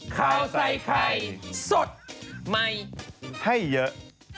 ข่าวใส่ไข่สดใหม่ให้เยอะ